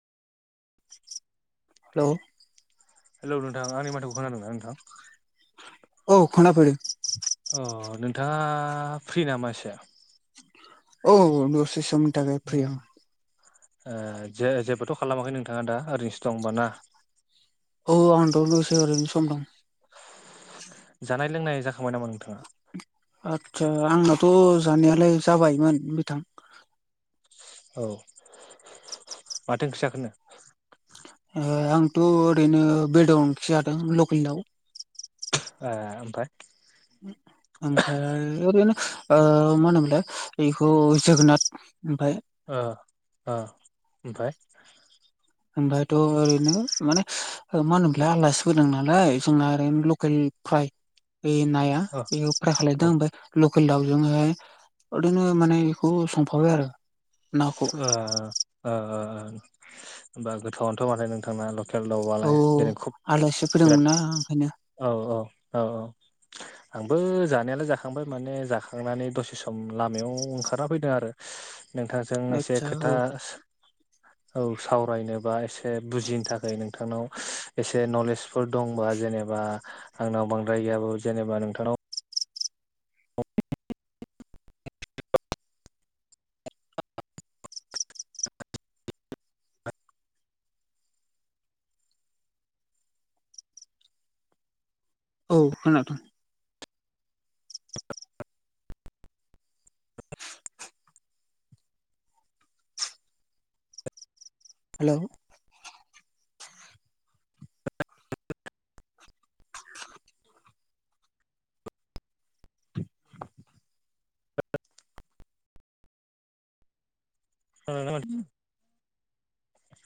Hello. Hello नोंथां आंनि माथोखौ खोनादोंना नोंथां। औ खोनाफैदों अ नोंथाङा फ्रि नामा एसे। औ दसे समनि थाखाय फ्रि आं। ओ जे-जेबोथ खालामाखै नोंथाङा दा ओरैनोसो दं होमबा ना। औ आं दा दसनो ओरैनो सम दं। जानाय लोंनाय जाखांबाय नामा नोंथाङा। आदसा आंनाथ' जानायालाय जाबायमोन नोंथां। औ माथो ओंख्रि जाखोनो। ओ आंथ' ओरैनो बेदर ओंख्रि जादों लकेल दाव। ए ओमफ्राय। ओमफ्राय ओरैनो मा होनोमोनलाय बेखौ जोगोनार ओमफ्राय। ओ ओ ओमफ्राय। ओमफ्रायथ' ओरैनो माने मा होनोमोनलाय आलासि फैदों नालाय जोंना ओरैनो लकेल। फ्राय बे नाया ओ औ बेयाव फ्राय ओ खालायदों ओमफ्राय। लकेल दाउजोंहाय ओरैनो माने बेखौ संफाबाय आरो। नाखौ ओ ओ ओ ओ ओ होमबा गोथावनोथ' माथो नोंथांना ल केल दावबा औ लाय दिनै खुब आलासि बिराद फैदोंमोनना ओंखायनो औ औ औ औ। [inaudible] आंबो जानायालाय जाखांबाय माने जाखांनानै दसे सम लामायाव ओंखारना फैदों आरो नोंथां। जों एसे आदसा खोथा। औ औ सावरायनोबा एसे बुजिनो थाखाय नोंथांनाव एसे नलेजफोर दंबा। जेनेबा आंनाव बांद्राय गैयाबाबो जेनेबा नोंथांनाव। औ खोनादोंं। हेलौ। [inaudible] खोनालालै माथो।